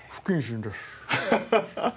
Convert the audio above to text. ハハハハッ！